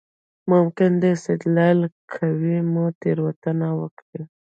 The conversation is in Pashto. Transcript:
ممکن د استدلال قوه مو تېروتنه وکړي.